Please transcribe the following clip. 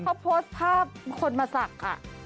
เขาโพสต์ภาพคนมาศักดิ์